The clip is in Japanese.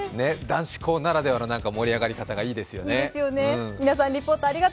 男子校ならではの盛り上がり方がいいですよね。